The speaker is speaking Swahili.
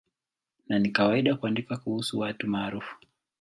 Na ni kawaida kuandika kuhusu watu maarufu.